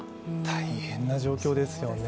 大変な状況ですよね。